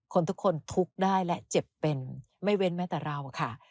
ทุกคนทุกคนทุกข์ได้และเจ็บเป็นไม่เว้นแม้แต่เราค่ะ